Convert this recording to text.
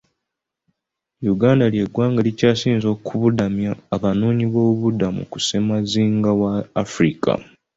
Uganda ly'eggwanga erikyasinze okubudamya Abanoonyi boobubudamu ku ssemazinga wa Africa.